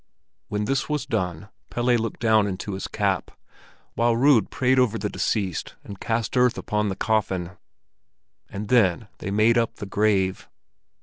When this was done, Pelle looked down into his cap, while Rud prayed over the deceased and cast earth upon the coffin; and then they made up the grave.